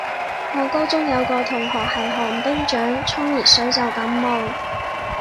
我高中有個同學係寒冰掌，沖熱水就感冒